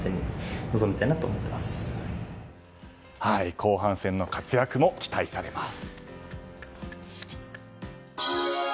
後半戦の活躍も期待されます。